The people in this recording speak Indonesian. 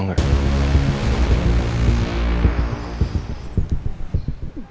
mustahil kena hydration